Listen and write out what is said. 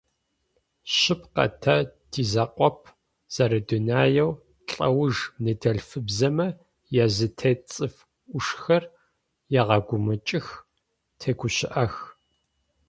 Шъыпкъэ, тэ тизакъоп, зэрэдунаеу лӏэуж ныдэлъфыбзэмэ язытет цӏыф ӏушхэр егъэгумэкӏых, тегущыӏэх.